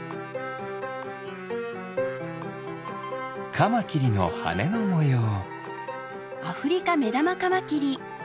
カマキリのはねのもよう。